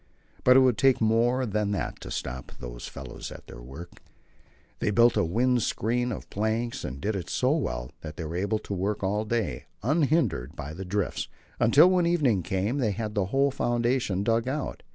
But it would take more than that to stop those fellows in their work. They built a wind screen of planks, and did it so well that they were able to work all day, unhindered by drifts, until, when evening came, they had the whole foundation dug out.